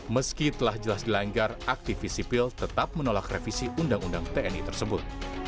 meski telah jelas dilanggar aktivis sipil tetap menolak revisi undang undang tni tersebut